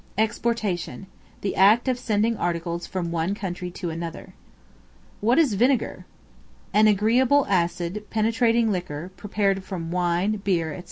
Exportation, the act of sending articles from one country to another. What is Vinegar? An agreeable, acid, penetrating liquor, prepared from wine, beer, &c.